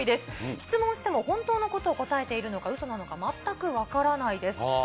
質問しても本当のことを答えているのかうそなのか全く分からないです。